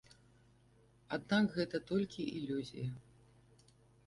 Аднак гэта толькі ілюзія.